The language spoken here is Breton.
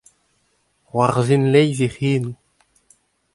C'hoarzhin leizh e c'henoù.